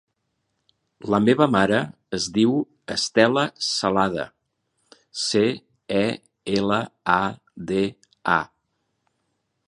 La meva mare es diu Estela Celada: ce, e, ela, a, de, a.